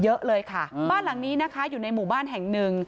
เยอะเลยค่ะบ้านหลังนี้นะคะอยู่ในหมู่บ้านแห่งหนึ่ง